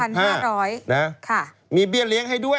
คุณนิวจดไว้หมื่นบาทต่อเดือนมีค่าเสี่ยงให้ด้วย